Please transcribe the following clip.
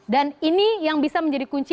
dan ini yang bisa menjadi kunci